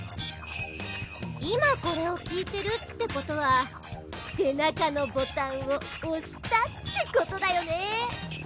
いまこれをきいてるってことはせなかのボタンをおしたってことだよね。